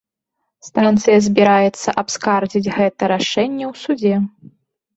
Станцыя збіраецца абскардзіць гэта рашэнне ў судзе.